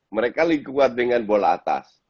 mereka lebih kuat dengan bola atas